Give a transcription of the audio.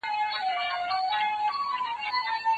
د ټولنیزو واقعیتونو درک کول وخت ته اړتیا لري.